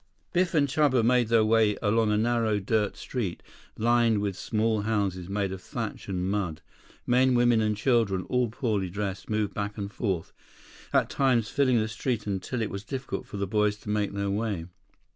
Biff and Chuba made their way along a narrow, dirt street, lined with small houses made of thatch and mud. Men, women, and children, all poorly dressed, moved back and forth, at times filling the street until it was difficult for the boys to make their way.